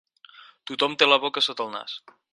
Tothom té la boca sota el nas.